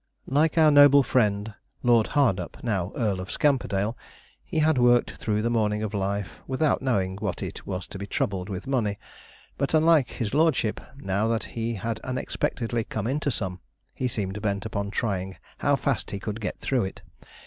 Like our noble friend, Lord Hard up, now Earl of Scamperdale, he had worked through the morning of life without knowing what it was to be troubled with money; but, unlike his lordship, now that he had unexpectedly come into some, he seemed bent upon trying how fast he could get through it.